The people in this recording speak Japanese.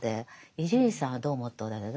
伊集院さんはどう思っておられる？